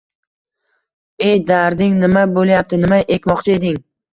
ey darding nima bo‘lyapti, nima ekmoqchi eding